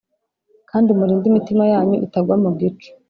Kandi murinde imitima yanyu itagwa mu gico